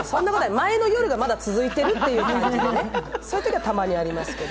前の夜がまだ続いているという感じでね、そういうときはたまにありますけど。